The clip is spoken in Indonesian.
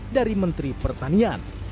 dari menteri pertanian